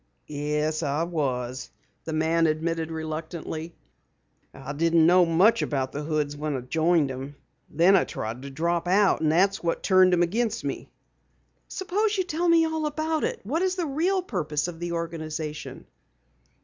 "Yes, I was," the man admitted reluctantly. "I didn't know much about the Hoods when I joined 'em. Then I tried to drop out, and that's what turned 'em against me." "Suppose you tell me all about it. What is the real purpose of the organization?"